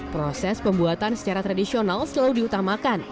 proses pembuatan secara tradisional selalu diutamakan